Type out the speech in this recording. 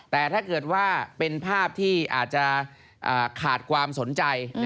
แต่ถ้าเกิดว่าเป็นภาพที่อาจจะขาดความสนใจ